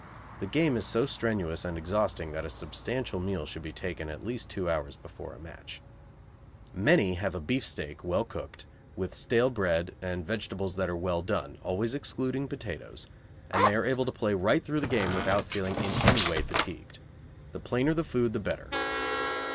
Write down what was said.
The game is so strenuous and exhausting that a substantial meal should be taken at least two hours before a match. Many have a beef steak well cooked, with stale bread and vegetables that are well done, always excluding potatoes, and they are able to play right through the game without feeling in any way fatigued. The plainer the food the better.